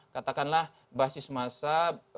katakanlah basis masa